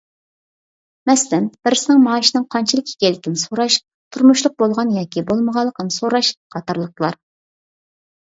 مەسىلەن، بىرسىنىڭ مائاشىنىڭ قانچىلىك ئىكەنلىكىنى سوراش، تۇرمۇشلۇق بولغان ياكى بولمىغانلىقىنى سوراش قاتارلىقلار.